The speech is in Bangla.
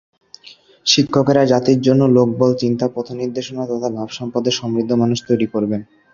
শিক্ষকেরা জাতির জন্য লোকবল, চিন্তা, পথনির্দেশনা তথা ভাবসম্পদে সমৃদ্ধ মানুষ তৈরি করবেন।